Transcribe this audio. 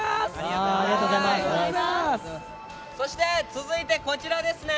続いてこちらですね。